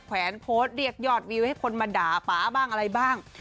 แวนโพสต์เรียกยอดวิวให้คนมาด่าป๊าบ้างอะไรบ้าง